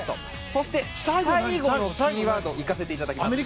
そして、最後のキーワードに行かせていただきます。